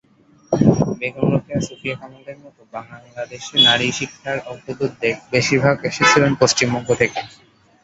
বেগম রোকেয়া, সুফিয়া কামালদের মতো বাংলাদেশে নারীশিক্ষার অগ্রদূতদের বেশির ভাগ এসেছিলেন পশ্চিমবঙ্গ থেকে।